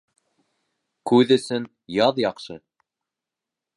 Күҙ өсөн яҙ яҡшы